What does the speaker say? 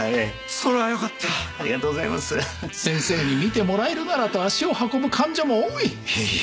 それはよかったありがとうございます先生に診てもらえるならと足を運ぶ患者も多いいえいえ